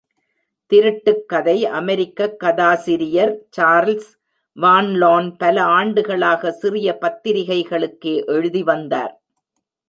திருட்டுக் கதை அமெரிக்கக் கதாசிரியர் சார்லஸ் வான் லோன் பல ஆண்டுகளாக சிறிய பத்திரிகைகளுக்கே எழுதி வந்தார்.